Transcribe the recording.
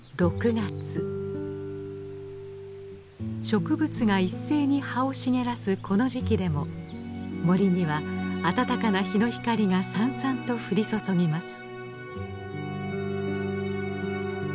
植物が一斉に葉を茂らすこの時期でも森には暖かな日の光がさんさんと降り注ぎます。